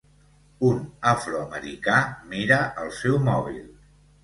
Un afroamericà mira el seu mòbil.